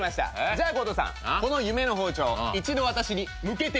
じゃあ強盗さんこの夢の包丁一度私に向けてみてください。